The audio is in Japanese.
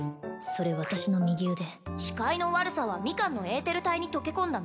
それ私の右腕視界の悪さはミカンのエーテル体に溶け込んだ